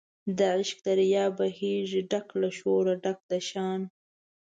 د عشق دریاب بهیږي ډک له شوره ډک د شان